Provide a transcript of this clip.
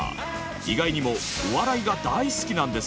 意外にもお笑いが大好きなんです。